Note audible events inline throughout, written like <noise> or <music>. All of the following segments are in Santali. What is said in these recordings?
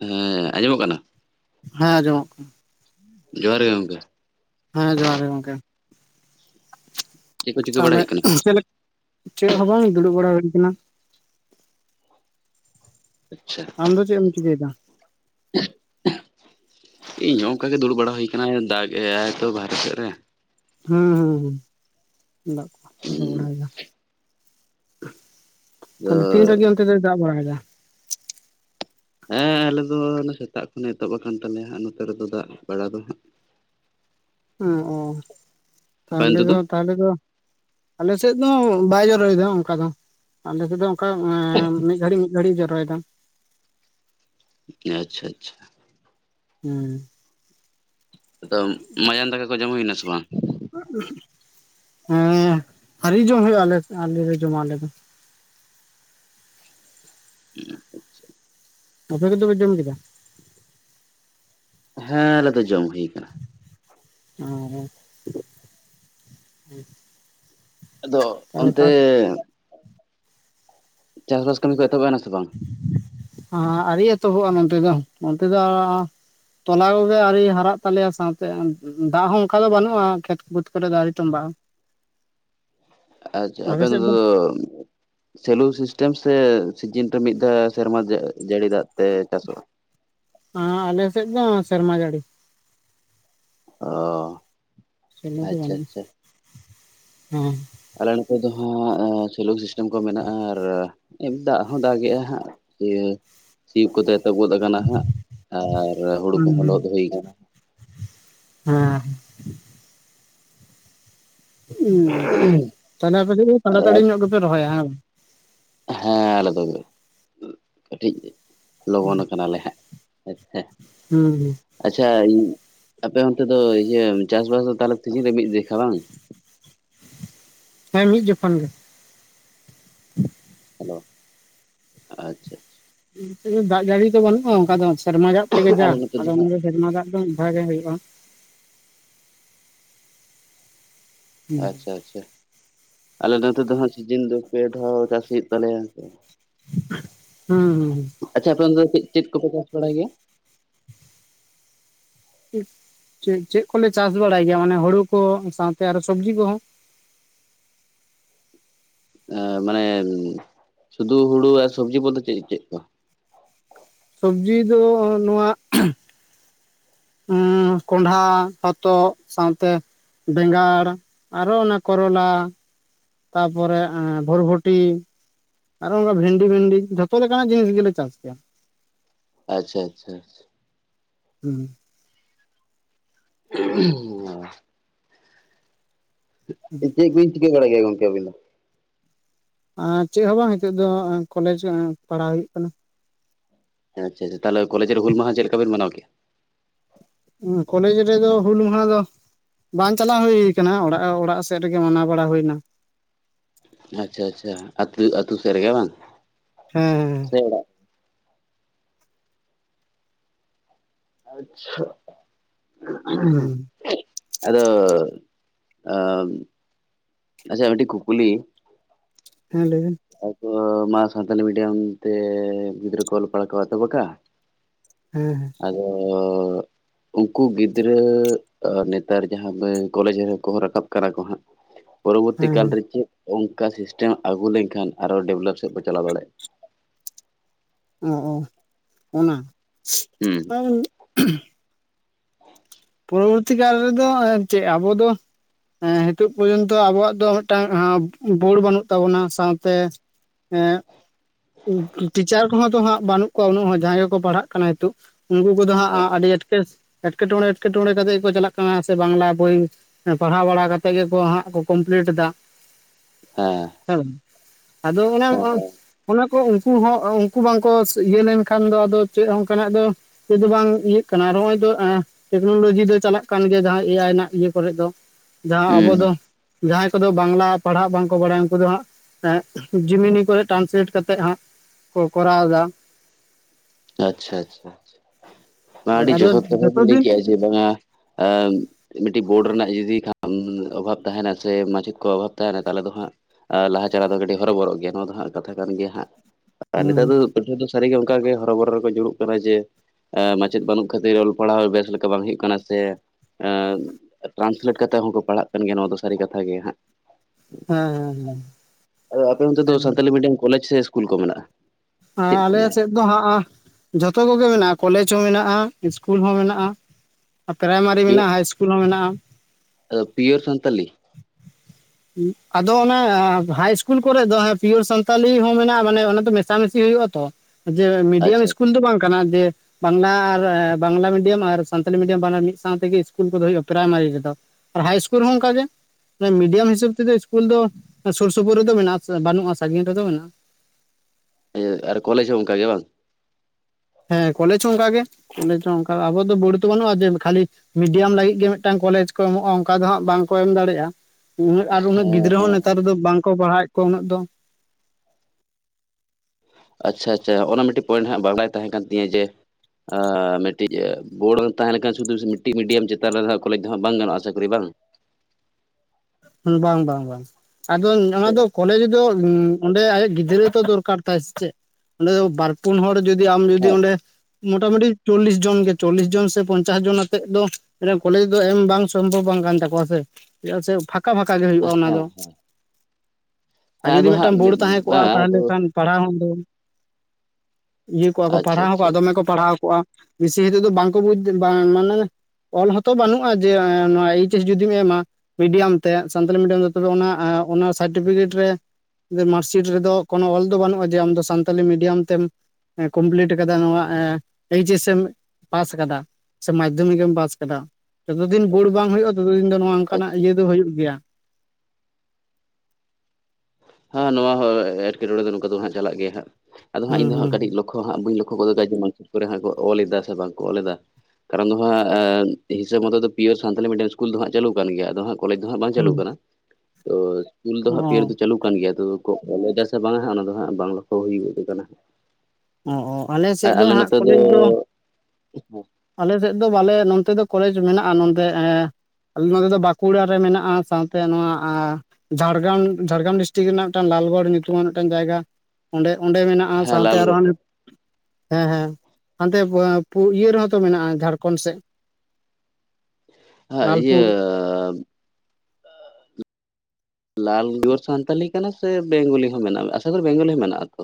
ᱦᱮᱸ ᱟᱸᱡᱚᱢᱚᱜ ᱠᱟᱱᱟ ᱦᱮᱸᱚᱢᱚᱜ ᱡᱚᱦᱟᱨ ᱜᱮ ᱜᱚᱝᱚᱢᱠᱮ ᱦᱮᱸ ᱡᱚᱦᱟᱨ ᱜᱮ ᱜᱚᱝᱠᱮ ᱪᱮᱫ ᱠᱚ ᱪᱤᱠᱟᱹ ᱵᱟᱲᱟᱭ ᱛᱟᱦᱚᱞᱮ ᱦᱩᱭᱩᱜ ᱠᱟᱱᱟ ᱪᱮᱫ ᱞᱮᱠᱟ ᱪᱮᱫ ᱦᱚᱸ ᱵᱟᱝ ᱫᱩᱲᱩᱵ ᱵᱟᱲᱟ ᱦᱳᱭ ᱠᱟᱱᱟ᱾ ᱟᱪᱪᱷᱟ ᱟᱢ ᱫᱚ ᱪᱮᱫ ᱮᱢ ᱪᱤᱠᱟᱹᱭ ᱫᱟ <unintelligible> ᱤᱧ ᱦᱚ ᱚᱱᱠᱟ ᱜᱮ ᱫᱩᱲᱩᱵ ᱵᱟᱲᱟ ᱦᱩᱭ ᱠᱟᱱᱟ ᱫᱟᱜ ᱮ ᱟᱭᱛᱚ ᱵᱟᱨᱦᱨᱮ ᱥᱮᱫ ᱨᱮ ᱦᱩᱸ ᱦᱩᱸ ᱫᱟᱜ ᱟᱫᱚ ᱵᱟᱲᱟᱭᱟ <inaudible> ᱛᱟᱦᱮ ᱛᱤᱱ‌ ᱨᱟᱜᱤ ᱚᱱᱛᱮ ᱫᱚᱭ ᱵᱟᱲᱟᱭ ᱫᱟ ᱦᱮᱸ ᱟᱞᱮ ᱫᱚ ᱥᱮᱛᱟᱜ ᱠᱷᱚᱱᱮ ᱮᱛᱚᱦᱚᱵ ᱟᱠᱟᱱ ᱛᱟᱞᱮᱭᱟ ᱦᱜ ᱱᱚᱛᱮ ᱨᱮᱫᱚ ᱫᱟᱜ ᱵᱟᱲᱟ ᱫᱚ ᱦᱟᱸᱜ᱾ ᱚᱸ ᱚ ᱟᱯᱮ ᱛᱟᱦᱞᱮ ᱚᱱᱛᱮ ᱫᱚ ᱛᱟᱦᱚᱞᱮ ᱫᱚ ᱟᱞᱮᱥᱮᱫ ᱫᱚ ᱵᱟᱭ ᱡᱚᱨᱚᱭᱮᱫᱟ ᱚᱱᱠᱟ ᱫᱚ ᱟᱞᱮᱥᱮᱫᱚ ᱚᱱᱠᱟ ᱢᱤᱹᱜ ᱜᱷᱟᱲᱤᱡ ᱢᱤ. ᱜ ᱜᱷᱟᱟᱹᱲᱤᱡ ᱡᱚᱨᱚᱭᱮᱫᱟ ᱟᱪᱷᱟ ᱟᱪᱪᱷᱟ ᱦᱮᱸ ᱟᱫᱚ ᱢᱟᱭᱟᱱ ᱫᱟᱠᱟ ᱠᱚ ᱡᱚᱢ ᱦᱩᱭᱱᱟ ᱥᱮ ᱵᱟᱝ ᱦᱮᱸ ᱟᱭᱨᱤ ᱡᱚᱢ ᱦᱩᱭᱩᱜᱼᱟ ᱟᱞᱮᱞ ᱞᱮ ᱡᱚᱢᱟ ᱟᱞᱮ ᱫᱚ <unintelligible> ᱟᱯᱮ ᱠᱚᱫᱚ ᱯᱮ ᱡᱚᱢ ᱠᱮᱫᱟ ᱦᱮᱸ ᱟᱞᱮ ᱫᱚ ᱡᱚᱢ ᱦᱩᱭ ᱟᱠᱟᱱᱟ᱾ ᱚ ᱦᱮᱸ <inaudible> ᱟᱫᱚ ᱚᱱᱛᱮ ᱪᱟᱥᱵᱟᱥ ᱠᱟᱹᱢᱤ ᱠᱚ ᱮᱛᱚᱵᱱᱟ ᱥᱮ ᱵᱟᱝ? ᱟᱹ ᱟᱹᱣᱨᱤ ᱮᱛᱚᱵᱚᱜᱼᱟ ᱱᱚᱱᱛᱮ ᱫᱚ ᱚᱱᱛᱮ ᱫᱚ? ᱛᱚᱞᱟ ᱠᱚᱜᱮ ᱟᱣᱨᱤ ᱦᱟᱨᱟᱜ ᱛᱟᱞᱮᱭᱟ ᱫᱟᱜ ᱦᱚᱸ ᱚᱱᱠᱟ ᱫᱚ ᱵᱟᱹᱱᱩᱜᱼᱟ ᱠᱷᱮᱛ ᱵᱟᱹᱛ ᱠᱚᱨᱮ ᱫᱚᱜ ᱟᱣᱨᱤ ᱛᱚᱸᱵᱟᱜᱼᱟ ᱟᱪᱪᱷᱟ ᱟᱯᱮ ᱫᱚ ᱥᱮᱞᱩ ᱥᱤᱥᱴᱮᱢ ᱥᱮ? ᱥᱤᱡᱤᱱ ᱨᱮ ᱢᱤᱫ ᱫᱷᱟᱣ ᱥᱮᱨᱢᱟ ᱡᱟᱹᱲᱤ ᱫᱟᱜ ᱛᱮ ᱪᱟᱥᱚᱜᱼᱟ ᱟᱞᱮ ᱥᱮᱫ ᱫᱚ ᱥᱮᱨᱢᱟ ᱡᱟᱹᱲᱤ᱾ ᱚᱸ ᱥᱮᱞᱚ. ᱫᱚ ᱵᱟᱱᱩᱜ ᱟ ᱦᱮᱸ ᱟᱞᱮ ᱱᱚᱛᱮ ᱫᱚ ᱦᱟᱸᱜ ᱥᱮᱞᱳ ᱥᱤᱥᱴᱮᱢ ᱠᱚ ᱢᱮᱱᱟᱜᱼᱟ ᱟᱨ ᱮᱢᱱᱤ ᱫᱟᱜ ᱦᱚᱸ ᱫᱟᱜᱮᱜᱼᱟ ᱦᱟᱸᱜ ᱤᱭᱟᱹ ᱥᱤᱭᱜ ᱠᱚᱛᱮ <unintelligible> ᱟᱠᱟᱱᱟ ᱦᱟᱸᱜ ᱟᱨ ᱦᱩᱲᱩ ᱠᱚᱦᱚᱸ ᱦᱮᱸ ᱞᱚᱫ ᱦᱩᱭ ᱟᱠᱟᱱᱟ᱾ ᱦᱮᱸ ᱦᱸ ᱛᱟᱦᱞᱮ ᱟᱯᱮ ᱫᱚ ᱛᱟᱲᱟᱻᱛᱟᱲᱤ ᱧᱚᱜ ᱜᱮᱯᱮ ᱨᱚᱦᱚᱭᱟ ᱦᱮᱸ ᱦᱮᱸ ᱟᱞᱮ ᱫᱚᱞᱮ ᱠᱟᱹᱴᱤᱡ ᱞᱚᱜᱚᱱ ᱟᱠᱟᱱᱟᱞᱮ ᱦᱟᱸᱜ <inaudible> ᱦᱮᱥᱮ᱾ ᱦᱩᱸ ᱟᱪᱟᱷᱟ, ᱟᱯᱮ ᱚᱱᱛᱮ ᱫᱚ ᱤᱭᱟᱹ ᱪᱟᱥᱵᱟᱥ ᱫᱚ ᱛᱟᱦᱚᱞᱮ ᱛᱤᱡᱤ ᱫᱷᱟᱹᱵᱤᱡ ᱫᱮᱠᱷᱟ ᱵᱟᱝ ᱾ ᱦᱮᱸ ᱢᱤᱫ ᱡᱚᱠᱷᱚᱱ ᱜᱮ᱾ ᱦᱮᱞᱳ <inaudible> ᱟᱪᱪᱷᱟ ᱟᱪᱪᱦᱟ᱾ ᱱᱚᱛᱮ ᱫᱚ ᱫᱟᱜ ᱡᱟᱹᱲᱤ ᱫᱚ ᱵᱟᱹᱱᱩᱜᱼᱟ, ᱚᱱᱠᱟ ᱫᱚ ᱥᱮᱨᱢᱟ ᱫᱟᱜ ᱛᱮᱜᱮ ᱡᱟ ᱟᱞᱮ ᱱᱚᱛᱮ ᱾ ᱫᱚ ᱟᱫᱚ ᱦᱟᱸᱜ ᱚᱱᱮ ᱥᱮᱨᱢᱟ ᱫᱟᱜ ᱫᱚ ᱢᱤᱫ ᱫᱷᱟᱣ ᱜᱮ ᱦᱩᱭᱩᱜᱼᱟ᱾ ᱦᱩᱸ ᱟᱪᱪᱷᱟ ᱟᱪᱪᱷᱟ, ᱟᱞᱮ ᱫᱚ ᱱᱚᱛᱮ ᱫᱚ ᱦᱟᱸᱜ ᱥᱤᱡᱤᱱ ᱫᱚ ᱯᱮ ᱫᱷᱟᱣ ᱪᱟᱥ ᱦᱩᱭᱩᱜ ᱛᱟᱞᱮᱭᱟ, ᱦᱮᱸ ᱥᱮ᱾ ᱦᱩᱸ ᱦᱩᱸ ᱦᱩᱸ ᱾ ᱟᱪᱪᱷᱟ, ᱟᱯᱮ ᱚᱱᱛᱮ ᱫᱚ ᱪᱮᱫ ᱪᱮᱫ ᱠᱚᱯᱮ ᱪᱟᱥ ᱵᱟᱲᱟᱭ ᱜᱮᱭᱟ? ᱪᱮᱫ ᱪᱮᱫ ᱠᱚᱞᱮ ᱪᱟᱥ ᱵᱟᱲᱟᱭ ᱜᱮᱭᱟ, ᱢᱟᱱᱮ ᱦᱩᱲᱩ ᱠᱚ ᱥᱟᱶᱛᱮ ᱟᱨᱦᱚᱸ ᱥᱚᱵᱽᱡᱤ ᱠᱚᱦᱚᱸ᱾ ᱟᱹ ᱢᱟᱱᱮ ᱥᱩᱫᱷᱩ ᱦᱩᱲᱩ ᱟᱨ ᱥᱚᱵᱽᱡᱤ ᱠᱚᱫᱚ ᱪᱮᱫᱼᱪᱮᱫ ᱠᱚ? ᱥᱚᱵᱽᱡᱤ ᱫᱚ ᱱᱚᱣᱟ᱾ ᱦᱩᱸ, ᱠᱚᱱᱰᱷᱟ ᱦᱚᱛᱚᱫ ᱥᱟᱶᱛᱮ ᱵᱮᱸᱜᱟᱲ ᱟᱨᱦᱚᱸ ᱚᱱᱟ ᱠᱚᱨᱚᱞᱟ᱾ ᱛᱟᱯᱚᱨᱮ ᱵᱷᱚᱨᱵᱷᱚᱴᱤ᱾ ᱟᱨᱦᱚᱸ ᱚᱱᱠᱟ ᱵᱷᱮᱱᱰᱤ ᱵᱷᱮᱱᱰᱤ ᱡᱚᱛᱚ ᱞᱮᱠᱟᱱᱟᱜ ᱡᱤᱱᱤᱥ ᱜᱮᱞᱮ ᱪᱟᱥ ᱠᱮᱭᱟ᱾ ᱟᱪᱪᱷᱟ ᱟᱪᱪᱷᱟ ᱾ ᱦᱩᱸ᱾ <unintelligible> ᱚ ᱪᱮ ᱪᱮᱫ ᱠᱚᱵᱮᱱ ᱪᱤᱠᱟᱹ ᱵᱟᱲᱟᱭ ᱜᱮᱭᱟ ᱜᱚᱢᱠᱮ ᱟᱵᱮᱱ ᱫᱚ? ᱟᱨ ᱪᱮᱫ ᱦᱚᱸ ᱵᱟᱝ ᱱᱤᱛᱚᱜ ᱫᱚ ᱟᱺ ᱠᱚᱞᱮᱡᱽ ᱟᱺ ᱯᱟᱲᱦᱟᱣ ᱦᱩᱭᱩᱜ ᱠᱟᱱᱟ᱾ ᱟᱪᱪᱷᱟ ᱟᱪᱪᱷᱟ, ᱛᱟᱦᱞᱮ ᱠᱚᱞᱮᱡᱽ ᱨᱮ ᱦᱩᱞ ᱢᱟᱦᱟ ᱪᱮᱫ ᱞᱮᱠᱟ ᱵᱮᱱ ᱢᱟᱱᱟᱣ ᱠᱮᱜᱼᱟ? ᱩᱸ ᱠᱚᱞᱮᱡᱽ ᱨᱮᱫᱚ ᱦᱩᱞ ᱢᱟᱦᱟ ᱫᱚ ᱵᱟᱝ ᱪᱟᱞᱟᱣ ᱦᱩᱭ ᱟᱠᱟᱱᱟ ᱚᱲᱟᱜ, ᱚᱲᱟᱜ ᱥᱮᱫ ᱨᱮᱜᱮ ᱢᱟᱱᱟᱣ ᱵᱟᱲᱟ ᱦᱩᱭ ᱮᱱᱟ᱾ ᱟᱪᱪᱷᱟ ᱟᱪᱪᱷᱟ, ᱟᱹᱛᱩ ᱥᱮᱫ ᱨᱮᱜᱮ ᱵᱟᱝ? ᱦᱮᱸ ᱦᱮᱸ ᱦᱮᱸ ᱾ ᱥᱮ ᱚᱲᱟᱜ ᱨᱮ᱾ ᱟᱪᱪᱷᱟ ᱦᱩᱸ <inaudible> ᱟᱫᱚ <inaudible> ᱟᱹ ᱟᱪᱪᱷᱟ, ᱢᱤᱫᱴᱤᱡ ᱠᱩᱠᱞᱤ᱾ ᱦᱮᱸ, ᱞᱟᱹᱭ ᱵᱮᱱ? ᱟᱠᱚ ᱢᱟ ᱥᱟᱱᱛᱟᱞᱤ ᱢᱤᱰᱤᱭᱟᱢ ᱛᱮ ᱜᱤᱫᱽᱨᱟᱹ ᱠᱚ ᱚᱞᱚᱜ ᱯᱟᱲᱦᱟᱣ ᱠᱚ ᱮᱛᱦᱚᱵ ᱟᱠᱟᱫᱟ᱾ ᱦᱮᱸ᱾ ᱟᱫᱚ ᱩᱱᱠᱩ ᱜᱤᱫᱽᱨᱟᱹ ᱟᱹ ᱱᱮᱛᱟᱨ ᱡᱟᱦᱟᱸ ᱠᱚᱞᱮᱡᱽ ᱨᱮᱠᱚ ᱨᱟᱠᱟᱵ ᱠᱟᱱᱟ ᱠᱚ ᱦᱟᱸᱜ᱾ ᱯᱚᱨᱚᱵᱚᱨᱛᱤ ᱦᱮᱸ ᱠᱟᱞᱨᱮ ᱪᱮᱫ ᱚᱱᱠᱟ ᱥᱤᱥᱴᱮᱢ ᱟᱹᱜᱩ ᱞᱮᱱᱠᱷᱟᱱ ᱟᱨᱦᱚᱸ ᱰᱮᱵᱷᱞᱚᱯ ᱥᱮᱫ ᱵᱚ ᱪᱟᱞᱟᱣ ᱫᱟᱲᱮᱭᱟᱜᱼᱟ? ᱚ <unintelligible> ᱚᱱᱟ, ᱦᱩᱸ <unintelligible> ᱯᱚᱨᱚᱵᱚᱨᱛᱤ ᱠᱟᱞ ᱨᱮᱫᱚ ᱪᱮᱫ ᱟᱵᱚ ᱫᱚᱼᱼ ᱦᱮᱸ, ᱱᱤᱛᱚᱜ ᱯᱚᱨᱡᱚᱱᱛᱚ ᱟᱵᱚᱣᱟᱜ ᱫᱚ ᱢᱤᱫᱴᱟᱝ ᱵᱳᱨᱰ ᱵᱟᱹᱱᱩᱜ ᱛᱟᱵᱚᱱᱟ ᱥᱟᱶᱛᱮᱼᱼ ᱦᱮᱸ, ᱴᱤᱪᱟᱨ ᱠᱚᱦᱚᱸ ᱛᱚ ᱦᱟᱸᱜ ᱵᱟᱹᱱᱩᱜ ᱠᱚᱣᱟ ᱩᱱᱟᱹᱜ, ᱡᱟᱦᱟᱸᱭ ᱜᱮᱠᱚ ᱯᱟᱲᱦᱟᱜ ᱠᱟᱱᱟ ᱱᱤᱛᱚᱜᱼᱼ ᱩᱱᱠᱩ ᱠᱚᱫᱚ ᱦᱟᱸᱜ ᱦᱮᱸ ᱟᱹᱰᱤ ᱮᱴᱠᱮᱥ ᱮᱴᱠᱮᱴᱚᱬᱮ ᱮᱴᱠᱮᱴᱚᱬᱮ ᱠᱟᱛᱮ ᱜᱮ ᱠᱚ ᱪᱟᱞᱟᱜ ᱠᱟᱱᱟ ᱥᱮ ᱵᱟᱝᱞᱟ ᱵᱳᱭᱼᱼ ᱯᱟᱲᱦᱟᱣ ᱵᱟᱲᱟ ᱠᱟᱛᱮᱜ ᱜᱮᱠᱚ ᱦᱟᱸᱜ ᱠᱚ ᱠᱚᱢᱯᱤᱞᱤᱴ ᱮᱫᱟ ᱾ ᱦᱮᱸ, ᱦᱮᱸ ᱟᱫᱚ ᱚᱱᱮ ᱚᱝᱼᱼ ᱚᱱᱟ ᱠᱚ ᱩᱱᱠᱩ ᱦᱚᱸ ᱟᱺ ᱩᱱᱠᱩ ᱵᱟᱝᱠᱚ ᱤᱭᱟᱹ ᱞᱮᱱᱠᱷᱟᱱ ᱫᱚ ᱟᱫᱚ ᱪᱮᱫ ᱚᱱᱠᱟᱱᱟᱜ ᱫᱚ ᱥᱮ ᱫᱚ ᱵᱟᱝ ᱤᱭᱟᱹᱜ ᱠᱟᱱᱟ ᱱᱚᱜᱚᱭ ᱫᱚ ᱮᱸ ᱴᱮᱠᱱᱳᱞᱚᱡᱤ ᱫᱚ ᱪᱟᱞᱟᱜ ᱠᱟᱱ ᱜᱮᱭᱟ, ᱡᱟᱦᱟᱸ ᱮ ᱟᱭ ᱨᱮᱱᱟᱜ ᱤᱭᱟᱹ ᱠᱚᱨᱮ ᱫᱚ᱾ ᱡᱟᱦᱟᱸ ᱟᱵᱚ ᱦᱩᱸ ᱫᱚ ᱡᱟᱦᱟᱸᱭ ᱠᱚᱫᱚ ᱵᱟᱝᱜᱽᱞᱟ ᱯᱟᱲᱦᱟᱜ ᱵᱟᱝᱠᱚ ᱵᱟᱰᱟᱭᱟ ᱩᱱᱠᱩ ᱫᱚ ᱦᱟᱸᱜ ᱦᱮᱸᱡᱤᱢᱤᱱᱤ ᱠᱚᱨᱮ ᱴᱨᱟᱱᱥᱞᱮᱴ ᱠᱟᱛᱮᱫ ᱦᱟᱸᱜ ᱠᱚ ᱠᱚᱨᱟᱣ ᱮᱫᱟ᱾ ᱟᱪᱪᱷᱟ, ᱟᱪᱪᱷᱟ, ᱟᱹᱰᱤ ᱟᱫᱚ ᱡᱚᱛᱷᱟᱛ ᱠᱟᱛᱷᱟ ᱡᱚᱛᱚ ᱵᱮᱱ ᱞᱟᱹᱭ ᱫᱤᱱ ᱠᱮᱫᱼᱟ ᱡᱮ ᱵᱟᱝ-ᱟ, ᱮᱸᱼᱼ ᱢᱤᱫᱴᱤᱡ ᱵᱳᱨᱰ ᱨᱮᱱᱟᱜ ᱡᱩᱫᱤ ᱚᱵᱷᱟᱵᱽ ᱛᱟᱦᱮᱸᱱᱟ ᱥᱮ ᱢᱟᱪᱮᱫ ᱠᱚᱣᱟᱜ ᱚᱵᱷᱟᱵᱽ ᱛᱟᱦᱮᱸᱱᱟ ᱛᱟᱦᱚᱞᱮ ᱫᱚ ᱦᱟᱸᱜ ᱞᱟᱦᱟ ᱪᱟᱞᱟᱣ ᱫᱚ ᱠᱟᱹᱴᱤᱢ ᱦᱚᱨᱚᱵᱚᱨᱚᱜ ᱜᱮᱭᱟ, ᱱᱚᱣᱟ ᱫᱚ ᱦᱟᱸᱜ ᱠᱟᱛᱷᱟ ᱠᱟᱱ ᱜᱮᱭᱟ ᱦᱟᱸᱜ᱾ ᱟᱨ ᱦᱮᱸ ᱱᱮᱛᱟᱨ ᱫᱚ ᱠᱟᱛᱷᱟ ᱫᱚ ᱥᱟᱹᱨᱤᱜᱮ ᱚᱱᱠᱟ ᱜᱮ ᱦᱚᱨᱚᱵᱚᱨᱚ ᱨᱮᱠᱚ ᱡᱩᱲᱩᱜ ᱠᱟᱱᱟ ᱡᱮ ᱟᱨ ᱢᱟᱪᱮᱫ ᱵᱟᱹᱱᱩᱜ ᱠᱷᱟᱹᱛᱤᱨ ᱚᱞ-ᱯᱟᱲᱦᱟᱣ ᱵᱮᱥ ᱞᱮᱠᱟ ᱵᱟᱝ ᱦᱩᱭᱩᱜ ᱠᱟᱱᱟ ᱥᱮ ᱟᱨ ᱴᱨᱟᱱᱥᱞᱮᱴ ᱠᱟᱛᱮᱫ ᱦᱚᱸᱠᱚ ᱯᱟᱲᱦᱟᱜ ᱠᱟᱱ ᱜᱮᱭᱟ ᱱᱚᱣᱟ ᱫᱚ ᱥᱟᱹᱨᱤ ᱠᱟᱛᱷᱟ ᱜᱮ ᱦᱟᱸᱜ ᱦᱮᱸ <unintelligible> ᱚ ᱟᱯᱮ ᱚᱱᱛᱮ ᱫᱚ ᱦᱮᱸ ᱥᱟᱱᱛᱟᱞᱤ ᱢᱤᱰᱤᱭᱟᱹᱢ ᱠᱚᱞᱮᱡᱽ ᱥᱮ ᱤᱥᱠᱩᱞ ᱠᱚ ᱢᱮᱱᱟᱜᱼᱟ ᱟ ᱪᱮᱫ ᱠᱚ ᱟᱞᱮ ᱢᱮᱱᱟᱜᱼᱟ? ᱥᱮᱫ ᱫᱚ ᱦᱟᱸᱜ ᱡᱷᱚᱛᱚ ᱠᱚᱜᱮ ᱢᱮᱱᱟᱜᱼᱟ ᱠᱚᱞᱮᱡᱽ ᱦᱚᱸ ᱢᱮᱱᱟᱜᱼᱟ ᱤᱥᱠᱩᱞ ᱦᱚᱸ ᱢᱮᱱᱟᱜᱼᱟ ᱯᱨᱟᱭᱢᱟᱹᱨᱤ ᱯᱤᱭᱳ ᱢᱮᱱᱟᱜᱼᱟ ᱦᱟᱭ ᱤᱥᱠᱩᱞ ᱦᱚᱸ ᱢᱮᱱᱟᱜᱼᱟ ᱟᱫᱚ ᱯᱤᱭᱳᱨ ᱥᱟᱱᱛᱟᱞᱤ ᱟᱫᱚ ᱚᱱᱟ ᱦᱟᱭ ᱤᱥᱠᱩᱞ ᱠᱚᱨᱮ ᱫᱚ ᱯᱤᱭᱳᱨ ᱥᱟᱱᱛᱟᱞᱤ ᱦᱚᱸ ᱢᱮᱱᱟᱜᱼᱟ ᱢᱟᱱᱮ ᱚᱱᱟ ᱫᱚ ᱢᱮᱥᱼᱼ ᱪᱟ <unintelligible> ᱢᱤᱥᱤ ᱦᱩᱭᱩᱜᱼᱟ ᱛᱚ ᱡᱮ ᱢᱤᱰᱤᱭᱟᱹᱢ ᱟᱪᱪᱷᱟ ᱟᱪᱪᱷᱟ ᱤᱥᱠᱩᱞ ᱫᱚ ᱵᱟᱝ ᱠᱟᱱᱟ ᱡᱮ ᱵᱟᱝᱞᱟ ᱟᱨ ᱮᱸ ᱵᱟᱝᱞᱟ ᱢᱤᱰᱤᱭᱟᱢ ᱟᱨ ᱥᱟᱱᱛᱟᱞᱤ ᱢᱤᱰᱤᱭᱟᱢ ᱵᱟᱱᱟᱨ ᱢᱤᱫ ᱥᱟᱶᱛᱮᱜᱮ ᱤᱥᱠᱩᱞ ᱠᱚᱫᱚ ᱦᱩᱭᱩᱜᱼᱟ ᱯᱨᱟᱭᱢᱟᱹᱨᱤ ᱨᱮᱫᱚ ᱦᱟᱭ ᱤᱥᱠᱩᱞ ᱨᱮᱦᱚᱸ ᱚᱱᱠᱟᱜᱮ ᱢᱤᱰᱤᱭᱟᱹᱢ ᱦᱤᱥᱟᱹᱵᱽ ᱛᱮᱫᱚ ᱠᱩᱞ ᱫᱚ ᱥᱩᱨ-ᱥᱩᱯᱩᱨ ᱨᱮᱫᱚ ᱢᱮᱱᱟᱜᱼᱟ ᱥᱮ ᱵᱟᱹᱱᱩᱜᱼᱟ ᱥᱟᱺᱜᱤᱧ ᱨᱮᱫᱚ ᱢᱮᱱᱟᱜᱼᱟ <unintelligible> ᱟᱨ ᱠᱚᱞᱮᱡᱽ ᱦᱚᱸ ᱚᱱᱠᱟ ᱜᱮ ᱵᱟᱝ ᱦᱮᱸ ᱠᱚᱞᱮᱡᱽ ᱦᱚᱸ ᱚᱝᱠᱟ ᱜᱮ ᱠᱚᱞᱮᱡᱽ ᱦᱚᱸ ᱚᱱᱠᱟ ᱜᱮ ᱟᱵᱚ ᱫᱚ ᱵᱟᱹᱲ ᱛᱚ ᱵᱟᱹᱱᱩᱜᱼᱟ ᱡᱮ ᱠᱷᱟᱞᱤ ᱢᱤᱰᱤᱭᱟᱢ ᱞᱟᱹᱜᱤᱫ ᱜᱮ ᱢᱤᱫᱴᱟᱝ ᱠᱚᱞᱮᱡᱽ ᱠᱚ ᱮᱢᱚᱜᱼᱟ ᱚᱱᱠᱟ ᱫᱚ ᱦᱟᱸᱜ ᱵᱟᱝ ᱠᱚ ᱮᱢ ᱫᱟᱲᱮᱭᱟᱜᱼᱟ ᱩᱸᱦᱩᱜ ᱟᱨ ᱩᱱᱟᱹᱜ ᱦᱮᱸ ᱜᱤᱫᱽᱨᱟᱹ ᱦᱚᱸ ᱱᱮᱛᱟᱨ ᱫᱚ ᱵᱟᱝ ᱠᱚ ᱯᱟᱲᱦᱟᱣᱮᱫ ᱠᱚᱣᱟ ᱩᱱᱟᱹᱜ ᱫᱚ ᱟᱪᱪᱷᱟ ᱟᱪᱪᱷᱟ ᱚᱱᱟ ᱢᱤᱫᱴᱤᱡ ᱯᱚᱭᱮᱱᱴ ᱦᱟᱸᱜ ᱵᱟᱰᱟᱭ ᱛᱟᱦᱮᱸ ᱠᱟᱱ ᱛᱤᱧᱟᱹ ᱡᱮ ᱟᱻ ᱢᱤᱫᱴᱤᱡ ᱵᱳᱲ ᱛᱟᱦᱮᱸ ᱞᱮᱱᱠᱷᱟᱱ ᱥᱩᱫᱩ ᱢᱤᱫᱴᱤᱡ ᱢᱤᱰᱤᱭᱟᱢ ᱪᱮᱛᱟᱱ ᱨᱮ ᱠᱚᱞᱮᱡᱽ ᱫᱚᱦᱟᱸᱜ ᱵᱟᱝ ᱜᱟᱱᱚᱜᱼᱟ ᱥᱮ ᱪᱟᱹᱠᱨᱤ ᱵᱟᱝ ᱦᱩᱸ ᱵᱟᱝ ᱵᱟᱝ ᱵᱟᱝ ᱟᱫᱚ ᱱᱟᱣᱟ ᱥᱮ ᱫᱚ ᱠᱚᱞᱮᱡᱽ ᱫᱚ ᱩᱻ ᱚᱸᱰᱮ <unintelligible> ᱟᱭᱟᱜ ᱜᱤᱫᱽᱨᱟᱹ ᱛᱚ ᱫᱚᱨᱠᱟᱨ ᱛᱟᱭ ᱥᱮ ᱪᱮᱫ ᱚᱸᱰᱮ ᱫᱚ ᱵᱟᱨ <unintelligible> ᱯᱩᱱ ᱦᱚᱲ ᱡᱩᱫᱤ ᱟᱢ ᱡᱩᱫᱤ ᱦᱮᱸ ᱚᱸᱰᱮ ᱢᱚᱴᱟ ᱢᱩᱴᱤ ᱪᱚᱞᱞᱤᱥ ᱡᱚᱱ ᱜᱮ ᱪᱚᱞᱞᱤᱥ ᱡᱚᱱ ᱥᱮ ᱯᱚᱧᱪᱟᱥ ᱡᱚᱱ ᱟᱛᱮᱫ ᱫᱚ ᱠᱚᱞᱮᱡᱽ ᱫᱚ ᱮᱢ ᱵᱟᱝ ᱥᱚᱢᱵᱷᱚᱵᱽ ᱵᱟᱝ ᱠᱟᱱ ᱛᱟᱠᱚᱣᱟ ᱥᱮ ᱪᱮᱫᱟᱜ ᱥᱮ ᱯᱷᱟᱠᱼᱼ ᱯᱷᱟᱠᱟ ᱯᱷᱟᱠᱟ ᱜᱮ ᱦᱩᱭᱩᱜᱼᱟ ᱚᱱᱟ ᱦᱮᱸ ᱫᱚ, ᱦᱮᱸ ᱟᱨ ᱦᱮᱸ ᱡᱩᱫᱤ ᱟᱫᱚ ᱦᱟᱸᱜ ᱢᱤᱫᱴᱟᱹᱝ ᱵᱳᱲ ᱢᱤᱫ ᱛᱟᱦᱮᱸ ᱵᱟᱝ ᱠᱚᱜᱼᱟ ᱟᱫᱚ ᱛᱟᱦᱮᱞᱮ ᱠᱷᱟᱱ ᱯᱟᱲᱦᱟᱣ ᱦᱚᱸ ᱫᱚ <inaudible> ᱤᱭᱟᱹ ᱠᱚᱜᱼᱟ ᱠᱚ ᱟᱪᱪᱷᱟ ᱯᱟᱲᱦᱟᱣ ᱦᱚᱸᱠᱚ ᱟᱪᱪᱷᱟ ᱫᱚᱢᱮ ᱟᱪᱪᱷᱟ ᱠᱚ ᱯᱟᱲᱦᱟᱣ ᱠᱚᱜᱼᱟ <unintelligible> ᱵᱤᱥᱚᱭ ᱨᱮ ᱫᱚ ᱵᱟᱝᱠᱚ ᱵᱩᱫᱷ <unintelligible> ᱵᱟᱝ ᱢᱟᱱᱮ ᱚᱞ ᱦᱚᱸᱛᱚ ᱵᱟᱹᱱᱩᱜᱼᱟ ᱡᱮ ᱮᱸᱻ ᱱᱚᱣᱟ ᱤ-ᱴᱮᱥᱴ ᱡᱩᱫᱤᱢ ᱮᱢᱟ ᱢᱤᱰᱤᱭᱟᱢ ᱛᱮ ᱥᱟᱱᱛᱟᱞᱤ ᱢᱤᱰᱤᱭᱟᱢ ᱫᱚ ᱛᱚᱵᱮ ᱚᱱᱟ ᱚᱱᱟ ᱥᱟᱨᱴᱤᱯᱷᱤᱠᱮᱴ ᱨᱮ ᱢᱟᱨᱠᱥᱤᱴ ᱨᱮᱫᱚ ᱠᱚᱱᱚ ᱚᱞ ᱫᱚ ᱵᱟᱹᱱᱩᱜᱼᱟ ᱡᱮ ᱟᱢ ᱫᱚ ᱥᱟᱱᱛᱟᱞᱤ ᱢᱤᱰᱤᱭᱟᱹᱢ ᱛᱮᱢ ᱦᱮ ᱠᱚᱢᱯᱞᱤᱴ ᱟᱠᱟᱫᱟ ᱱᱚᱣᱟ ᱮᱻ ᱮᱭᱤᱪ ᱮᱥ ᱮᱢ ᱯᱟᱥ ᱟᱠᱟᱫᱟ ᱥᱮ ᱢᱟᱫᱽᱫᱷᱚᱢᱤᱠ ᱮᱢ ᱯᱟᱥ ᱠᱮᱫᱟ ᱡᱚᱛᱚ ᱫᱤᱱ ᱵᱳᱲ ᱵᱟᱝ ᱦᱩᱭᱩᱜᱼᱟ ᱛᱚᱛᱚ ᱫᱤᱱ ᱫᱚ ᱱᱚᱣᱟᱝᱠᱟᱱᱟᱜ ᱟᱪᱪᱷᱟ ᱤᱭᱟᱹ ᱫᱚ ᱦᱩᱭᱩᱜ ᱜᱮᱭᱟ ᱦᱮᱸ ᱱᱚᱣᱟ ᱦᱚ ᱮᱴᱠᱮᱴᱚᱬᱮ ᱫᱚ ᱱᱚᱝᱠᱟ ᱫᱚ ᱦᱟᱸᱜ ᱪᱟᱞᱟᱜ ᱜᱮᱭᱟ ᱦᱟᱸᱜ ᱟᱫᱚ ᱦᱟᱸᱜ ᱦᱩᱸ ᱤᱧ ᱫᱚ ᱦᱟᱸᱜ ᱦᱩᱸ ᱠᱟᱹᱴᱤᱡᱼᱼ ᱠᱷᱚ ᱦᱟᱸᱜ ᱵᱟᱹᱧ ᱞᱚᱠᱠᱷᱚ ᱜᱚᱫ ᱟᱠᱟᱜᱼᱟ ᱡᱮ ᱢᱟᱨᱥᱤᱴ ᱠᱚᱨᱮ ᱦᱟᱸᱜ ᱠᱚ ᱚᱞ ᱮᱫᱟ ᱥᱮ ᱵᱟᱝᱠᱚ ᱚᱞ ᱮᱫᱟ ᱠᱟᱨᱚᱱ ᱫᱚ ᱦᱟᱸᱜ ᱟᱹᱻ ᱦᱤᱥᱟᱹᱵᱽ ᱢᱚᱛᱚ ᱫᱚ ᱯᱤᱭᱳᱨ ᱥᱟᱱᱛᱟᱞᱤ ᱢᱤᱰᱤᱭᱟᱢ ᱤᱥᱠᱩᱞ ᱫᱚ ᱦᱟᱸᱜ ᱪᱟᱹᱞᱩ ᱠᱟᱱ ᱜᱮᱭᱟ ᱟᱫᱚ ᱦᱟᱸᱜ ᱠᱚᱞᱮᱡᱽ ᱫᱚ ᱦᱟᱸᱜ ᱵᱟᱝ ᱪᱟᱹᱞᱩᱜ ᱦᱩᱸ ᱠᱟᱱᱟ ᱛᱚ ᱤᱥᱠᱩᱞ ᱫᱚ ᱦᱟᱸᱜ ᱚ ᱯᱤᱭᱳᱨ <unintelligible> ᱪᱟᱹᱞᱩᱜ ᱠᱟᱱ ᱜᱮᱭᱟ ᱫᱚ ᱠᱚ ᱠᱚᱞᱮᱡᱟ ᱥᱮ ᱵᱟᱝᱟ ᱚᱱᱟ ᱫᱚ ᱦᱟᱸᱜ ᱵᱟᱝ ᱞᱚᱠᱠᱷᱚ ᱦᱩᱭᱩᱜ ᱠᱟᱱᱟ ᱚ ᱚ ᱟᱨ ᱥᱮᱫ ᱟᱞᱮ ᱦᱟᱸᱜ ᱱᱚᱛᱮ ᱫᱚ <unintelligible> ᱟᱞᱮᱥᱮᱫ ᱫᱚ ᱵᱟᱞᱮ ᱱᱚᱱᱛᱮ ᱫᱚ ᱠᱚᱞᱮᱡᱽ ᱢᱮᱱᱟᱜᱼᱟ ᱱᱚᱰᱮ ᱮᱸᱼᱼ ᱟᱞᱮ ᱱᱚᱛᱮ ᱫᱚ ᱵᱟᱸᱠᱩᱲᱟ ᱨᱮ ᱢᱮᱱᱟᱜᱼᱟ ᱥᱟᱶᱛᱮ ᱱᱚᱣᱟ ᱟᱸᱼᱼ ᱡᱷᱟᱲᱜᱨᱟᱢ ᱡᱷᱟᱲᱜᱨᱟᱢ ᱰᱤᱥᱴᱨᱤᱠ ᱨᱮᱱᱟᱜ ᱢᱤᱫᱴᱟᱝ ᱞᱟᱞᱜᱚᱲ ᱧᱩᱛᱩᱢᱟᱱ ᱢᱤᱫᱴᱟᱝ ᱡᱟᱭᱜᱟ ᱚᱸᱰᱮ ᱚᱸᱰᱮ ᱢᱮᱱᱟᱜ ᱟᱨ ᱦᱮᱸ ᱥᱟᱶᱛᱮ ᱟᱨᱦᱚᱸ ᱞᱟᱞᱜᱚᱲ ᱨᱮ ᱦᱟᱱᱮ ᱦᱮᱸ ᱦᱮᱸ ᱦᱟᱱᱛᱮ ᱟᱸ ᱯᱩ <inaudible> ᱤᱭᱟᱹ ᱨᱮᱦᱚᱸ ᱛᱚ ᱢᱮᱱᱟᱜᱼᱟ ᱡᱷᱟᱨᱠᱷᱚᱸᱰ ᱥᱮᱫ <unintelligible> ᱦᱟᱜ ᱤᱭᱟᱹᱻ ᱞᱟᱞᱯᱩᱨ ᱞᱟᱞ ᱜᱚᱲ ᱥᱟᱱᱛᱟᱞᱤ ᱠᱟᱱᱟ ᱥᱮ ᱵᱮᱝᱜᱚᱞᱤ ᱦᱚᱸ ᱢᱮᱱᱟᱜᱼᱟ ᱟᱥᱟ ᱠᱚᱨᱮ ᱵᱮᱝᱜᱚᱞᱤ ᱦᱚᱸ ᱢᱮᱱᱟᱜᱼᱟ ᱛᱚ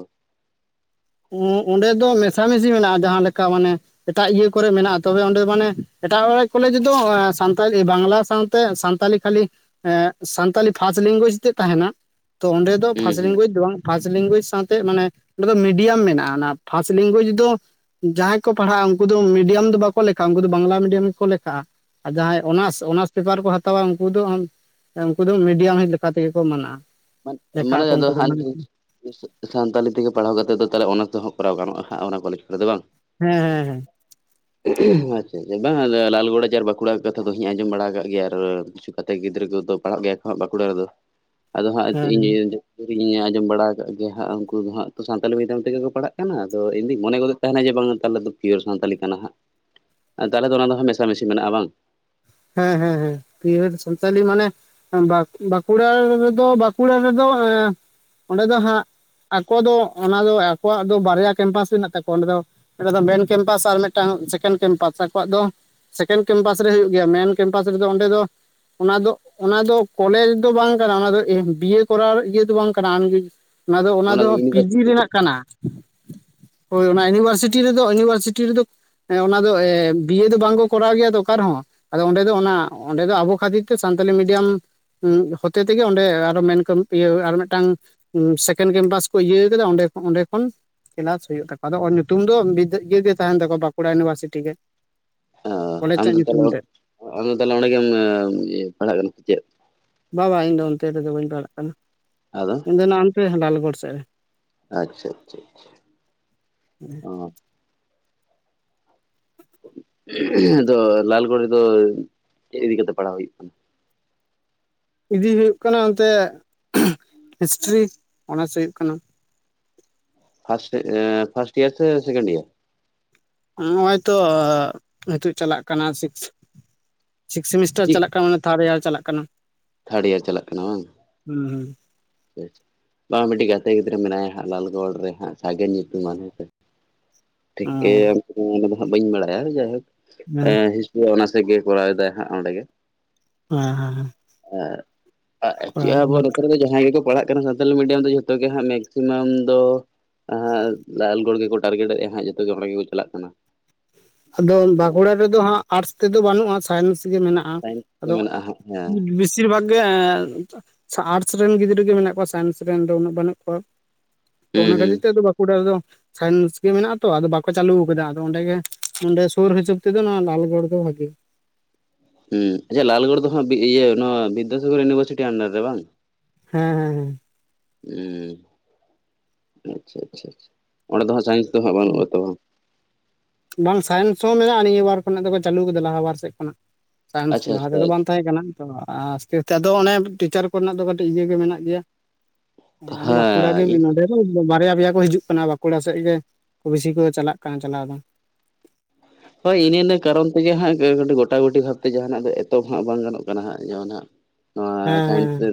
ᱚᱸ ᱚᱸᱰᱮ ᱫᱚ ᱢᱮᱥᱟ ᱢᱤᱥᱤ ᱢᱮᱱᱟᱜᱼᱟ ᱡᱟᱦᱟᱸ ᱞᱮᱠᱟ ᱢᱟᱱᱮ ᱮᱴᱟᱜ ᱤᱭᱟᱹ ᱠᱚᱨᱮ ᱢᱮᱱᱟᱜᱼᱟ ᱛᱚᱵᱮ ᱚᱸᱰᱮ ᱢᱟᱱᱮ ᱮᱴᱟᱜ ᱦᱚᱲᱟᱜ ᱠᱚᱞᱮᱡᱽ ᱫᱚ ᱥᱟᱱᱛᱟᱞᱤ ᱵᱟᱝᱞᱟ ᱥᱟᱶ ᱛᱮ ᱥᱟᱱᱛᱟᱞᱤ ᱠᱷᱟᱹᱞᱤ ᱮᱸ ᱥᱟᱱᱛᱟᱞᱤ ᱯᱷᱟᱥ ᱞᱮᱝᱜᱩᱣᱮᱡᱽ ᱛᱮᱜ ᱛᱟᱦᱮᱱᱟ᱾ ᱛᱚ ᱚᱸᱰᱮ ᱫᱚ ᱦᱩᱸ ᱯᱷᱟᱥ ᱦᱩᱸ ᱞᱮᱝᱜᱩᱣᱮᱡᱽ ᱫᱚ ᱵᱟᱝ ᱯᱷᱟᱥ ᱞᱮᱝᱜᱩᱣᱮᱡᱽ ᱥᱟᱶᱛᱮ ᱢᱟᱱᱮ ᱚᱸᱰᱮ ᱫᱚ ᱢᱤ ᱰᱤᱭᱟᱹᱢ ᱢᱮᱱᱟᱜᱼᱟ ᱚᱱᱟ ᱯᱷᱟᱥ ᱞᱮᱝᱜᱩᱣᱮᱡᱽ ᱫᱚ ᱡᱟᱦᱟᱸᱭ ᱠᱚ ᱯᱟᱲᱦᱟᱜᱼᱟ ᱩᱝᱠᱩ ᱫᱚ ᱢᱤᱰᱤᱭᱟᱹᱢ ᱫᱚ ᱵᱟᱠᱚ ᱞᱮᱠᱷᱟᱜᱼᱟ ᱩᱝᱠᱩ ᱫᱚ ᱵᱟᱝᱞᱟ ᱢᱤᱰᱤᱭᱟᱹᱢ ᱠᱚ ᱞᱮᱠᱷᱟᱜᱼᱟ᱾ ᱟᱨ ᱡᱟᱦᱟᱸᱭ ᱚᱱᱟᱥ ᱚᱱᱟᱨᱥ ᱯᱮᱯᱟᱨ ᱠᱚ ᱦᱟᱛᱟᱣᱟ ᱩᱱᱠᱩ ᱫᱚ ᱩᱱᱠᱩ ᱫᱚ ᱢᱤᱰᱤᱭᱟᱢ ᱦᱤᱡ ᱞᱮᱠᱟᱛᱮᱜᱮ ᱠᱚ ᱢᱟᱱᱟᱜᱼᱟ᱾ ᱞᱮᱠᱷᱟᱜ ᱢᱟᱱᱮ ᱟᱠᱚ ᱟᱫᱚ ᱩᱱᱠᱩ ᱫᱚ ᱦᱟᱜ ᱢᱟᱱᱮ ᱥᱟᱱᱛᱟᱞᱤ ᱛᱮᱜᱮ ᱯᱟᱲᱦᱟᱣ ᱠᱟᱛᱮᱜ ᱫᱚ ᱛᱟᱦᱚᱞᱮ ᱚᱱᱟ ᱛᱮᱦᱚᱸ ᱠᱚᱨᱟᱣ ᱜᱟᱱᱚᱜᱼᱟ ᱦᱟᱜ ᱚᱱᱟ ᱠᱚᱞᱮᱡᱽ ᱠᱚᱨᱮ ᱫᱚ ᱵᱟᱝ? ᱦᱮᱸ ᱦᱮᱸ ᱦᱮᱸ <inaudible> <inaudible> ᱟᱪᱪᱷᱟ ᱵᱟᱝᱟ ᱞᱟᱞᱜᱚᱲ ᱠᱚᱨᱮᱡ ᱟᱨ ᱵᱟᱸᱠᱩᱲᱟ ᱠᱟᱛᱷᱟ ᱫᱚ ᱤᱧ ᱟᱸᱡᱚᱢ ᱵᱟᱲᱟ ᱟᱠᱟᱫ ᱜᱮᱭᱟ ᱟᱨ ᱠᱤᱪᱷᱩ ᱜᱟᱛᱮ ᱜᱤᱫᱽᱨᱟᱹ ᱠᱚᱫᱚ ᱯᱟᱲᱦᱟᱜ ᱜᱮᱭᱟ ᱠᱚᱜ ᱵᱟᱸᱠᱩᱲᱟ ᱨᱮᱫᱚ ᱟᱫᱚ ᱦᱟᱸᱜ ᱦᱮᱸ ᱤᱧ ᱤᱧ ᱟᱸᱡᱚᱢ ᱵᱟᱲᱟ ᱟᱠᱟᱫ ᱜᱮᱭᱟ ᱦᱟᱸᱜ ᱩᱱᱠᱩ ᱫᱚ ᱦᱟᱸᱜ ᱛᱚ ᱥᱟᱱᱛᱟᱞᱤ ᱢᱤᱰᱤᱭᱟᱢ ᱛᱮᱜᱮ ᱠᱚ ᱯᱟᱲᱦᱟᱜ ᱠᱟᱱᱟ ᱟᱫᱚ ᱤᱧᱫᱚᱧ ᱢᱚᱱᱮ ᱜᱚᱫᱚᱜ ᱛᱟᱦᱮᱱᱟ ᱡᱮ ᱵᱟᱝ ᱛᱟᱦᱚᱞᱮ ᱫᱚ ᱯᱤᱭᱳᱨ ᱥᱟᱱᱛᱟᱞᱤ ᱠᱟᱱᱟ ᱦᱟᱸᱜ ᱛᱟᱦᱚᱞᱮ ᱫᱚ ᱚᱱᱟ ᱫᱚ ᱢᱮᱥᱟᱢᱤᱥᱤ ᱢᱮᱱᱟᱜᱼᱟ ᱵᱟᱝ? ᱦᱮᱸ ᱦᱮᱸ ᱦᱮᱸ ᱯᱤᱭᱳᱨ ᱥᱟᱱᱛᱟᱞᱤ ᱢᱟᱱᱮ ᱵᱟᱸᱠᱩ ᱵᱟᱸᱠᱩᱲᱟ ᱨᱮᱫᱚ ᱵᱟᱸᱠᱩᱲᱟ ᱨᱮᱫᱚ ᱮ ᱚᱸᱰᱮ ᱫᱚ ᱦᱟᱸᱜ ᱟᱠᱚ ᱫᱚ ᱚᱱᱟ ᱫᱚ ᱟᱠᱚᱣᱟᱜ ᱫᱚ ᱵᱟᱨᱭᱟ ᱠᱮᱢᱯᱟᱥ ᱢᱮᱱᱟᱜ ᱛᱟᱠᱚᱣᱟ ᱚᱸᱰᱮ ᱫᱚ ᱢᱤᱫᱴᱮᱱ ᱫᱚ ᱢᱮᱱ ᱠᱮᱢᱯᱟᱥ ᱟᱨ ᱢᱤᱫᱴᱟᱝ ᱥᱮᱠᱮᱱᱰ ᱠᱮᱢᱯᱟᱥ ᱟᱠᱚᱣᱟᱜ ᱫᱚ ᱥᱮᱠᱮᱱᱰ ᱠᱮᱢᱯᱟᱥ ᱨᱮ ᱦᱩᱭᱩᱜ ᱜᱮᱭᱟ ᱢᱮᱱ ᱠᱮᱢᱯᱟᱥ ᱨᱮᱫᱚ ᱚᱸᱰᱮ ᱫᱚ ᱚᱱᱟ ᱫᱚ ᱚᱱᱟ ᱫᱚ ᱠᱚᱞᱮᱡᱽ ᱫᱚ ᱵᱟᱝ ᱠᱟᱱᱟ ᱚᱱᱟ ᱫᱚ ᱵᱤᱭᱮ ᱠᱚᱨᱟᱣ ᱤᱭᱟᱹ ᱫᱚ ᱵᱟᱝ ᱠᱟᱱᱟ ᱟᱢ ᱚᱱᱟᱫᱚ ᱚᱱᱟ ᱫᱚ ᱯᱤᱡᱤ ᱨᱮᱱᱟᱜ ᱠᱟᱱᱟ᱾ <inaudible> ᱦᱳᱭ ᱚᱱᱟ ᱤᱭᱩᱱᱤᱵᱷᱟᱨᱥᱤᱴᱤ ᱨᱮᱫᱚ ᱤᱭᱩᱱᱤᱵᱷᱟᱨᱥᱤᱴᱤ ᱨᱮᱫᱚ ᱦᱮᱸ ᱚᱱᱟ ᱫᱚ ᱵᱤᱭᱮ ᱫᱚ ᱵᱟᱝ ᱠᱚ ᱠᱚᱨᱟᱣ ᱜᱮᱭᱟ ᱛᱚ ᱚᱠᱟ ᱨᱮᱦᱚᱸ ᱟᱫᱚ ᱚᱸᱰᱮ ᱫᱚ ᱚᱱᱟ ᱚᱸᱰᱮ ᱫᱚ ᱟᱵᱚ ᱠᱷᱟᱹᱛᱤᱨ ᱛᱮ ᱥᱟᱱᱛᱟᱞᱤ ᱢᱤᱰᱤᱭᱟᱢ ᱦᱚᱛᱮ ᱛᱮᱜᱮ ᱚᱸᱰᱮ ᱟᱨᱚ ᱢᱮᱱ ᱤᱭᱟᱹ ᱟᱨ ᱢᱤᱫᱴᱟᱝ ᱥᱮᱠᱮᱱᱰ ᱠᱮᱢᱯᱟᱥ ᱠᱚ ᱤᱭᱟᱹ ᱟᱠᱟᱫᱟ ᱚᱸᱰᱮ ᱚᱸᱰᱮ ᱠᱷᱚᱱ ᱠᱮᱞᱟᱥ ᱦᱩᱭᱩᱜ ᱛᱟᱠᱚᱣᱟ ᱟᱫᱚ ᱧᱩᱛᱩᱢ ᱫᱚ ᱵᱤᱫᱟᱹᱜ ᱤᱭᱟ. ᱜᱮ ᱛᱟᱦᱮᱱ ᱛᱟᱠᱚᱣᱟ ᱵᱟᱸᱠᱩᱲᱟ ᱤᱭᱩᱱᱤᱵᱷᱟᱨᱥᱤᱴᱤ ᱜᱮ ᱾ ᱚ ᱟᱢᱫᱚ ᱛᱟᱦᱚᱞᱮ ᱟᱢᱫᱚ ᱛᱟᱦᱚᱞᱮ ᱚᱸᱰᱮᱜᱮᱢ ᱤᱭᱟᱹ ᱯᱟᱲᱦᱟᱜ ᱠᱟᱱᱟ ᱥᱮ ᱪᱮᱫ? ᱵᱟ ᱵᱟᱝ ᱤᱧᱫᱚ ᱚᱱᱛᱮ ᱨᱮᱫᱚ ᱵᱟᱹᱧ ᱯᱟᱲᱟᱜ ᱠᱟᱱᱟ᱾ ᱟᱫᱚ ᱤᱧᱫᱚ ᱱᱟᱱᱛᱮ ᱞᱟᱞᱜᱚᱲ ᱥᱮᱫ ᱨᱮ ᱟᱪᱪᱷᱟ ᱟᱪᱪᱷᱟ ᱟᱪᱪᱷᱟ ᱚᱻ ᱟᱫᱚ ᱞᱟᱞᱜᱚᱲ ᱨᱮᱫᱚ ᱪᱮᱫ ᱤᱫᱤ ᱠᱟᱛᱮᱫ ᱯᱟᱲᱦᱟᱣ ᱦᱩᱭᱩᱜ ᱠᱟᱱᱟ? ᱤᱫᱤ ᱦᱩᱭᱩᱜ ᱠᱟᱱᱟ ᱚᱱᱛᱮ ᱦᱤᱥᱴᱨᱤ ᱚᱱᱟᱨᱥ ᱦᱩᱭᱩᱜ ᱠᱟᱱᱟ᱾ ᱯᱷᱟᱥᱴ ᱤᱭᱟᱨ ᱥᱮ ᱥᱮᱠᱮᱱᱰ ᱤᱭᱟᱨ ᱱᱚᱜ ᱚᱭ ᱛᱚ ᱱᱤᱛᱳᱜ ᱪᱟᱞᱟᱜ ᱠᱟᱱᱟ ᱥᱤᱠᱥ ᱥᱤᱠᱥ ᱥᱮᱢᱤᱥᱴᱟᱨ ᱤᱭᱟᱨ? ᱪᱟᱞᱟᱜ ᱠᱟᱱᱟ ᱱᱤᱛ ᱛᱷᱟᱲ ᱮᱭᱟᱨ ᱪᱟᱞᱟᱜ ᱠᱟᱱᱟ᱾ ᱛᱷᱟᱨᱰ ᱤᱭᱟᱨ ᱪᱟᱞᱟᱜ ᱠᱟᱱᱟ ᱵᱟᱝ ᱾ ᱦᱩᱸ ᱦᱩᱸ ᱵᱟᱝ ᱢᱤᱫᱴᱤᱡ ᱜᱟᱛᱮ ᱜᱤᱫᱽᱨᱟᱹ ᱢᱮᱱᱟᱭᱟ ᱦᱟᱸᱜ ᱞᱟᱞᱜᱚᱲ ᱨᱮ ᱦᱟᱜ ᱥᱟᱜᱮᱱ ᱧᱩᱛᱩᱢᱟᱱ ᱦᱮᱸ ᱥᱮ ᱴᱷᱤᱠ ᱦᱩᱸ ᱚ <unintelligible> ᱵᱟᱹᱧ ᱵᱟᱲᱟᱭᱟ ᱡᱟᱭᱦᱳᱠ ᱦᱮᱸ ᱮ ᱦᱤᱥ <unintelligible> ᱚᱱᱟᱨᱥ ᱨᱮᱜᱮ ᱠᱚᱨᱟᱣ ᱫᱟᱭ ᱦᱟᱜ ᱚᱸᱰᱮ ᱜᱮ ᱾ <unintelligible> ᱮ ᱠᱚᱲᱟ ᱪᱮᱫ ᱟᱵᱚ ᱜᱤᱫᱽᱨᱟᱹ ᱱᱚᱛᱮ ᱨᱮᱫᱚ ᱡᱟᱦᱟᱸᱭ ᱜᱮᱠᱚ ᱯᱟᱲᱦᱟᱜ ᱥᱟᱱᱛᱟᱞᱤ ᱢᱤᱰᱤᱭᱟᱢ ᱫᱚ ᱡᱷᱚᱛᱚ ᱜᱮ ᱦᱟᱸᱜ ᱢᱮᱠᱥᱤᱢᱟᱢ ᱫᱚ ᱦᱟᱜ ᱞᱟᱞᱜᱚᱲ ᱜᱮᱠᱚ ᱴᱟᱨᱜᱮᱴ ᱮᱜᱼᱟ ᱾ ᱦᱟᱸᱜ ᱡᱚᱛᱚ ᱜᱮ ᱚᱸᱰᱮ ᱜᱮᱠᱚ ᱪᱟᱞᱟᱜ ᱠᱟᱱᱟ᱾ ᱟᱫᱚ ᱵᱟᱸᱠᱩᱲᱟ ᱨᱮᱫᱚ ᱦᱟᱸᱜ ᱟᱨᱴᱥ ᱛᱮᱫᱚ ᱵᱟᱹᱱᱩᱜᱼᱟ ᱥᱟᱭᱮᱱᱥ ᱜᱮ ᱢᱮᱱᱟᱜ ᱼᱟ ᱥᱟᱭᱮᱱᱥ ᱫᱚ ᱟᱫᱚ ᱢᱮᱱᱟᱜᱼᱟ ᱦᱟᱸᱜ ᱦᱮᱸ <unintelligible> ᱵᱮᱥᱤᱨ ᱵᱷᱟᱜᱽ ᱜᱮ ᱟᱴᱥ ᱨᱮᱱ ᱜᱤᱫᱽᱨᱟᱹ ᱜᱮ ᱢᱮᱱᱟᱜ ᱠᱚᱣᱟ ᱥᱟᱭᱮᱱᱥ ᱨᱮᱱ ᱫᱚ ᱩᱱᱟᱹᱜ ᱵᱟᱹᱱᱩᱜ ᱠᱚᱣᱟ᱾ ᱛᱚ ᱦᱩᱸ ᱚᱱᱟ ᱦᱩᱸ ᱠᱷᱟᱹᱛᱤᱨ ᱛᱮ ᱵᱟᱸᱠᱩᱲᱟ ᱨᱮᱫᱚ ᱥᱟᱭᱮᱱᱥ ᱜᱮ ᱢᱮᱱᱟᱜ ᱟᱛᱚ ᱟᱫᱚ ᱵᱟᱠᱚ ᱪᱟᱹᱞᱩ ᱠᱟᱫᱟ ᱟᱫᱚ ᱚᱸᱰᱮ ᱜᱮ ᱱᱚᱰᱮ ᱥᱩᱨ ᱦᱤᱥᱟᱵ ᱛᱮᱫᱚ ᱞᱟᱞᱜᱚᱲ ᱜᱮ ᱵᱷᱟᱹᱜᱮ ᱦᱩᱸ ᱟᱪᱪᱷᱟ ᱞᱟᱞᱜᱚᱲ ᱫᱚ ᱦᱟᱸᱜ ᱤᱭᱟᱹ ᱱᱚᱣᱟ ᱵᱤᱨᱫᱟᱥᱟᱜᱚᱨ ᱤᱭᱩᱱᱤᱵᱷᱟᱨᱥᱤᱴᱤ ᱟᱱᱰᱟᱨ ᱨᱮ ᱵᱟᱝ ᱦᱮᱸ ᱦᱮᱸ ᱦᱮᱸ ᱩᱸ ᱟᱪᱪᱷᱟ ᱟᱪᱪᱷᱟ ᱟᱪᱪᱷᱟ ᱚᱸᱰᱮ ᱫᱚ ᱦᱟᱸᱜ ᱥᱟᱭᱮᱱᱥ ᱫᱚ ᱦᱟᱸᱜ ᱵᱟᱹᱱᱩᱜ ᱟᱛᱚ ᱵᱟᱝ? ᱵᱟᱝ ᱥᱟᱭᱮᱱᱥ ᱦᱚᱸ ᱢᱮᱱᱟᱜᱼᱟ ᱱᱤᱭᱟᱹ ᱵᱟᱨ ᱠᱷᱚᱱᱟᱜ ᱫᱚᱠᱚ ᱪᱟᱹᱞᱩ ᱠᱟᱫᱟ ᱞᱟᱦᱟ ᱵᱟᱨ ᱥᱮᱫ ᱠᱷᱚᱱᱟᱜ। ᱥᱟᱭᱮᱱᱥ ᱟᱪᱪᱷᱟ ᱞᱟᱦᱟ ᱟᱪᱪᱷᱟ ᱛᱮᱫᱚ ᱵᱟᱝ ᱛᱟᱦᱮᱸ ᱠᱟᱱᱟ ᱛᱚ ᱟᱥᱛᱮ ᱟᱥᱛᱮ ᱟᱫᱚ ᱚᱱᱮ ᱴᱤᱪᱟᱨ ᱠᱚᱨᱮᱱᱟᱜ ᱫᱚ ᱠᱟᱹᱴᱤᱡ ᱤᱭᱟᱹᱜᱮ ᱢᱮᱱᱟᱜ ᱜᱮᱭᱟ। ᱟᱫᱚ ᱵᱟᱸᱠᱩᱲᱟ ᱜᱮ ᱦᱮᱸ ᱤᱧ ᱱᱚᱸᱰᱮ ᱫᱚ ᱵᱟᱨᱭᱟ ᱯᱮᱭᱟ ᱠᱚ ᱦᱤᱡᱩᱜᱼᱟ। ᱠᱟᱱᱟ ᱵᱟᱸᱠᱩᱲᱟ ᱥᱮᱫ ᱜᱮ ᱵᱤᱥᱤ ᱠᱚ ᱪᱟᱞᱟᱜ ᱠᱟᱱᱟ ᱪᱟᱞᱟᱣ ᱫᱚ। ᱦᱳᱭ ᱤᱱᱟᱹ ᱤᱱᱟᱹ ᱠᱟᱨᱚᱱ ᱛᱮᱜᱮ ᱦᱟᱸᱜ ᱜᱚᱴᱟ ᱜᱩᱴᱤ ᱵᱷᱟᱵᱛᱮ ᱡᱟᱦᱟᱱᱟᱜ ᱫᱚ ᱮᱛᱚᱦᱚᱵ ᱫᱚᱦᱟᱸᱜ ᱵᱟᱝ ᱜᱟᱱᱚᱜ ᱠᱟᱱᱟ ᱦᱟᱸᱜ ᱡᱟᱦᱟᱱᱟᱜ ᱱᱚᱣᱟ ᱦᱮᱸ ᱥᱟᱭᱮᱱᱥ ᱦᱮᱸ ᱨᱮ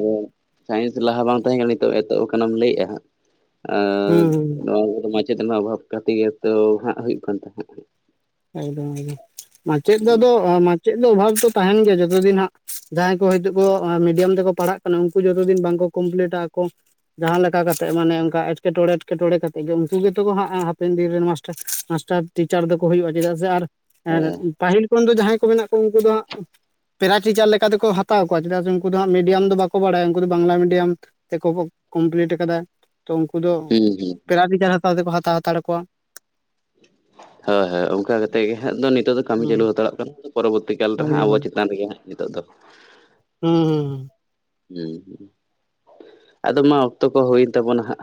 ᱥᱟᱭᱮᱱᱥ ᱞᱟᱦᱟ ᱵᱟᱝ ᱛᱟᱦᱮᱸ ᱠᱟᱱᱟ ᱱᱤᱛᱚᱜ ᱮᱛᱚᱦᱚᱵ ᱠᱟᱱᱟᱢ ᱞᱟᱹᱭᱮᱜᱼᱟ ᱦᱟᱸᱜ। ᱟᱨ ᱦᱩᱸ ᱱᱚᱣᱟ ᱠᱚᱫᱚ ᱢᱟᱪᱮᱫ ᱨᱮᱱᱟᱜ ᱚᱵᱷᱟᱵᱽ ᱠᱷᱟᱛᱤᱨ ᱛᱟᱹᱣ ᱦᱟᱸᱜ ᱦᱩᱭᱩᱜ ᱠᱟᱱ ᱛᱟᱦᱮᱸᱫ। ᱮᱠᱫᱚᱢ ᱮᱠᱫᱚᱢ ᱢᱟᱪᱮᱫ ᱫᱚ ᱟᱫᱚ ᱢᱟᱪᱮᱫ ᱫᱚ ᱚᱵᱷᱟᱵ ᱛᱚ ᱛᱟᱦᱮᱱ ᱜᱮᱭᱟ ᱡᱚᱛᱚ ᱫᱤᱱ ᱦᱟᱸᱜ ᱡᱟᱦᱟᱸᱭ ᱠᱚ ᱦᱭᱛᱳ ᱠᱚ ᱢᱤᱰᱤᱭᱟᱢ ᱛᱮᱠᱚ ᱯᱟᱲᱦᱟᱜ ᱠᱷᱟᱱ ᱩᱱᱠᱩ ᱡᱚᱛᱚ ᱫᱤᱱ ᱵᱟᱝᱠᱚ ᱠᱚᱢᱯᱤᱞᱤᱴᱟ ᱟᱠᱚ ᱡᱟᱦᱟᱸ ᱞᱮᱠᱟ ᱠᱟᱛᱮᱜ ᱢᱟᱱᱮ ᱚᱱᱠᱟ ᱮᱴᱠᱮᱴᱚᱬᱮ ᱮᱴᱠᱮᱴᱚᱬᱮ ᱠᱟᱛᱮᱜ ᱜᱮ ᱩᱱᱠᱩ ᱜᱮᱛᱚ ᱠᱚ ᱦᱟᱸᱜ ᱦᱟᱯᱮᱱ ᱫᱤᱱ ᱨᱮᱱ ᱢᱟᱥ ᱢᱟᱥᱴᱟᱨ ᱴᱤᱪᱟᱨ ᱫᱚᱠᱚ ᱦᱩᱭᱩᱜᱼᱟ ᱪᱮᱫᱟᱜ ᱥᱮ ᱟᱨ ᱦᱮᱸ ᱯᱟᱦᱤᱞ ᱩᱱ ᱫᱚ ᱡᱟᱦᱟᱸᱭ ᱠᱚ ᱢᱮᱱᱟᱜ ᱠᱚᱣᱟ ᱩᱱᱠᱩ ᱫᱚ ᱦᱟᱸᱜ ᱯᱮᱨᱟ ᱴᱤᱪᱟᱨ ᱞᱮᱠᱟᱛᱮᱠᱚ ᱦᱟᱛᱟᱣ ᱠᱚᱣᱟ ᱪᱮᱫᱟᱜ ᱥᱮ ᱩᱱᱠᱩ ᱫᱚ ᱦᱟᱸᱜ ᱢᱤᱰᱤᱭᱟᱢ ᱫᱚ ᱵᱟᱠᱚ ᱵᱟᱲᱟᱭᱟ ᱩᱱᱠᱩ ᱫᱚ ᱵᱟᱝᱞᱟ ᱢᱤᱰᱤᱭᱟᱢ᱾ ᱛᱮᱠᱚ ᱠᱚᱢᱯᱞᱤᱴ ᱠᱟᱫᱟ ᱛᱚ ᱩᱱᱠᱩ ᱫᱚ ᱦᱩᱸ ᱦᱩᱸ ᱯᱮᱨᱟ ᱴᱤᱪᱟᱨ ᱦᱟᱛᱟᱣ ᱛᱮᱠᱚ ᱦᱟᱛᱟᱣ ᱦᱟᱛᱟᱲ ᱠᱚᱣᱟ। ᱦᱳᱭ ᱦᱳᱭ ᱚᱱᱠᱟ ᱠᱟᱛᱮᱜ ᱜᱮ ᱦᱟᱸᱜ ᱫᱚ ᱱᱤᱛᱚᱜ ᱫᱚ ᱠᱟᱹᱢᱤ ᱦᱩᱸ ᱪᱟᱹᱞᱩ ᱦᱟᱛᱟᱲᱚᱜ ᱠᱟᱱᱟ ᱯᱚᱨᱚᱵᱚᱨᱛᱤ ᱠᱟᱞ ᱨᱮᱦᱟᱸᱜ ᱦᱳᱭ ᱟᱵᱚ ᱦᱳᱭ ᱪᱮᱛᱟᱱ ᱨᱮᱜᱮ ᱦᱟᱸᱜ ᱱᱤᱛᱚᱜ ᱫᱚ ᱦᱩᱸ ᱦᱩᱸ ᱦᱩᱸ ᱦᱩᱸ ᱟᱫᱚ ᱢᱟ ᱚᱠᱛᱚ ᱠᱚ ᱦᱩᱭᱮᱱ ᱛᱟᱵᱚᱱᱟ ᱦᱟᱸᱜ